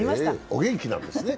お元気なんですね。